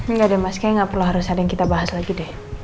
enggak ada mas kayaknya nggak perlu harus ada yang kita bahas lagi deh